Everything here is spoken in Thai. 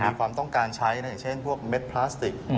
มีความต้องการใช้นะอย่างเช่นพวกเม็ดพลาสติก